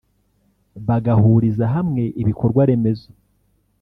bagahuriza hamwe ibikorwa remezo